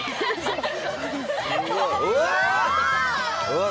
うわ！